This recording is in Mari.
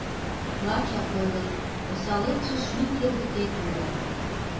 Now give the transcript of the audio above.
Лачак ойлет: осалетше шӱй келгытет уло.